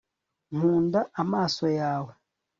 nkunda amaso yawe